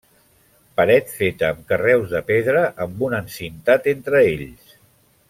Paret feta amb carreus de pedra amb un encintat entre ells.